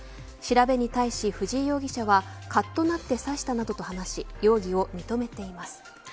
調べに対し、藤井容疑者はかっとなって刺したなどと話し容疑を認めています。